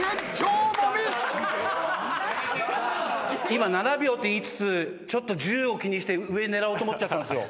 今７秒って言いつつちょっと１０を気にして上狙おうと思っちゃったんすよ。